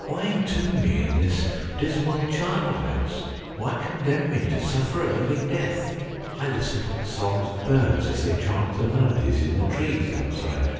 why entomb me in this dismal charnel house ? why condemn me to suffer a living death ? I listen to the songs of the birds as they chant their melodies in the trees outside.